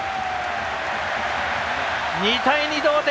２対２同点！